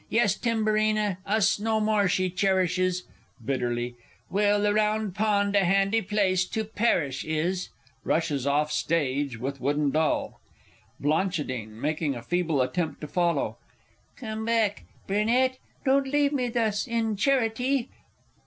Yes, Timburina, us no more she cherishes (Bitterly.) Well, the Round Pond a handy place to perish is! [Rushes off stage with wooden doll. Bl. (making a feeble attempt to follow). Come back, Brunette; don't leave me thus, in charity!